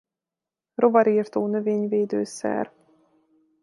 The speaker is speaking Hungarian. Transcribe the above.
Rovarirtó növényvédő szer.